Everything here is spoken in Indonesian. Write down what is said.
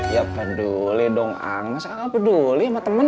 ya peduli dong masa kamu peduli sama temen